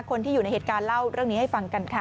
คนที่อยู่ในเหตุการณ์เล่าเรื่องนี้ให้ฟังกันค่ะ